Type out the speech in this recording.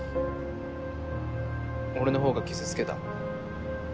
俺のほうが傷つけた。